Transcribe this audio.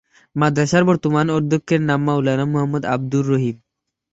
মাদ্রাসার বর্তমান অধ্যক্ষের নাম মাওলানা মোহাম্মদ আব্দুর রহিম।